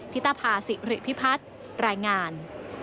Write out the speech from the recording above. ิตภาษิริพิพัฒน์รายงาน